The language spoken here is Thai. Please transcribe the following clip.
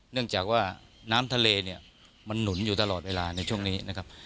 เนื่องจากว่าน้ำทะเลเนี่ยมันหนุนอยู่ตลอดเวลาในช่วงนี้นะครับ